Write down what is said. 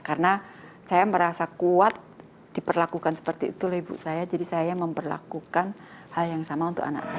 karena saya merasa kuat diperlakukan seperti itulah ibu saya jadi saya memperlakukan hal yang sama untuk anak saya